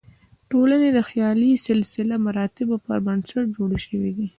ټولنې د خیالي سلسله مراتبو پر بنسټ جوړې شوې دي.